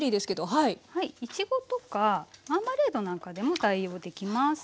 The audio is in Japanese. こちらはいちごとかマーマレードなんかでも代用できます。